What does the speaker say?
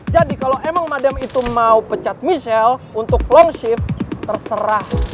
jadi kalau memang madam itu mau pecat michelle untuk long shift terserah